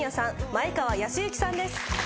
前川泰之さんです。